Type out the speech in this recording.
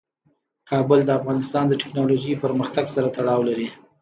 کابل د افغانستان د تکنالوژۍ پرمختګ سره تړاو لري.